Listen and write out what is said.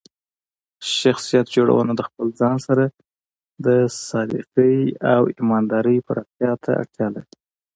شخصیت جوړونه د خپل ځان سره د صادقۍ او ایماندارۍ پراختیا ته اړتیا لري.